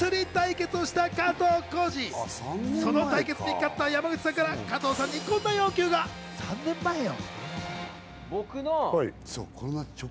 その対決に勝った山口さんから加藤さんにこんな要求が。３年前よ。